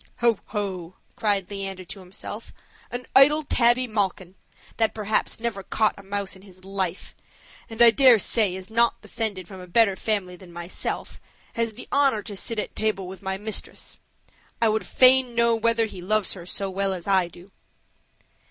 "Ho! ho!" cried Leander to himself; "an idle tabby malkin, that perhaps never caught a mouse in his life, and I dare say is not descended from a better family than myself, has the honor to sit at table with my mistress: I would fain know whether he loves her so well as I do."